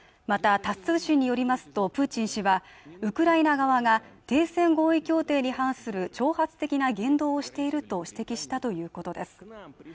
またタス通信によりますとプーチン氏はウクライナ側が停戦合意協定に違反する挑発的な言動をしていると指摘したということです